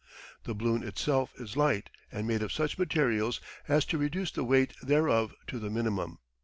The balloon itself is light, and made of such materials as to reduce the weight thereof to the minimum.